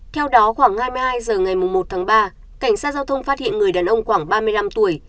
theo đó khoảng hai mươi hai h ngày một tháng ba cảnh sát giao thông phát hiện người đàn ông khoảng ba mươi năm tuổi